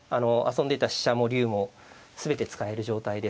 遊んでた飛車も竜も全て使える状態ですので。